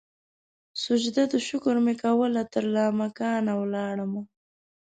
سجده د شکر مې کول ترلا مکان ولاړمه